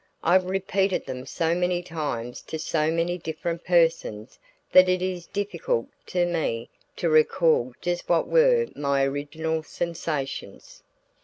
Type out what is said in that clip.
I've repeated them so many times to so many different persons that it is difficult for me to recall just what were my original sensations.